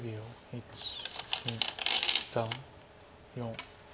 １２３４。